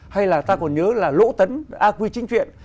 hay là ta còn nhớ là lỗ tấn a quy chính chuyện